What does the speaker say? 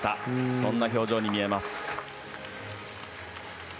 そんな表情に見えます。